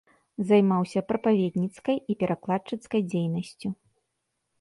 Займаўся прапаведніцкай і перакладчыцкай дзейнасцю.